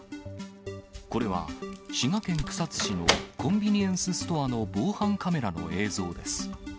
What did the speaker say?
これは、滋賀県草津市のコンビニエンスストアの防犯カメラの映像です。